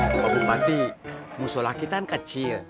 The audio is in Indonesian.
bapak bupati musuh laki laki kan kecil